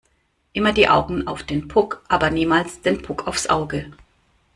Immer die Augen auf den Puck aber niemals den Puck aufs Auge!